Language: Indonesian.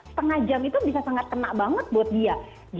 setengah jam itu bisa sangat kena banget buat dia